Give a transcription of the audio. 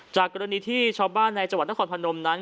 จากกรณีที่ชาวบ้านในจังหวัดนครพนมนั้น